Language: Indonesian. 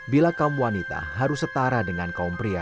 bila kaum wanita harus setara dengan kaum pria